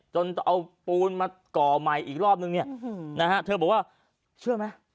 จนเอาปูนมาก่อใหม่อีกรอบนึงเนี่ยนะฮะเธอบอกว่าเชื่อไหม